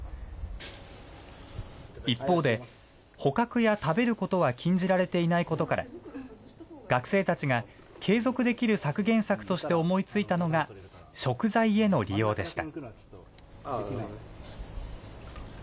一方で捕獲や食べることは禁じられていないことから、学生たちが継続できる削減策として思いついたのが、食材への利用でした。